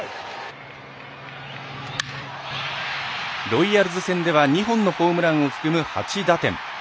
ロイヤルズ戦では２本のホームランを含む８打点。